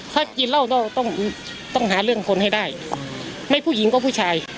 ถ้ากินเหล้าต้องต้องหาเรื่องคนให้ได้ไม่ผู้หญิงก็ผู้ชาย